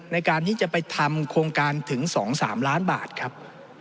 ในการที่จะไปทำโครงการถึง๒๓ล้านบาทครับ